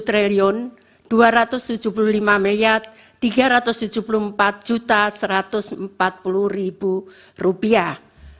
tiga triliun dua ratus tujuh puluh lima tiga ratus tujuh puluh empat satu ratus empat puluh rupiah